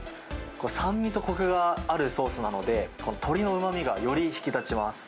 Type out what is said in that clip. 酸味とこくがあるソースなので、鶏のうまみがより引き立ちます。